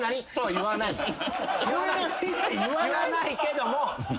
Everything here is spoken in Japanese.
言わないけども。